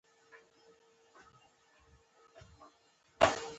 د ملګرو ملتونو اړوند تخصصي موسسې شته.